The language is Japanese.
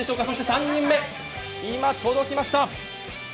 そして３人目、今届きました。